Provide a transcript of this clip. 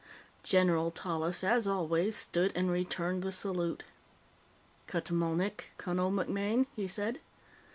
_ General Tallis, as always, stood and returned the salute. "Cut mawnik, Cunnel MacMaine," he said.